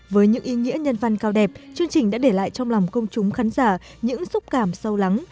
với những ý nghĩa nhân văn cao đẹp chương trình đã để lại trong lòng công chúng khán giả những xúc cảm sâu lắng